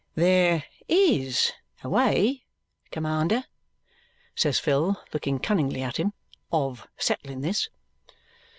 "There IS a way, commander," says Phil, looking cunningly at him, "of settling this."